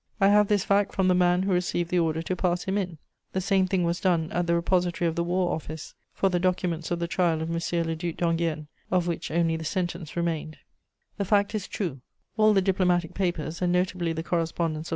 I have this fact from the man who received the order to pass him in. The same thing was done at the repository of the War Office for the documents of the trial of M. le Duc d'Enghien, of which only the sentence remained." [Sidenote: Talleyrand's complicity.] The fact is true; all the diplomatic papers, and notably the correspondence of M.